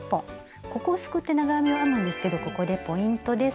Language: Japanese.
ここをすくって長編みを編むんですけどここでポイントです。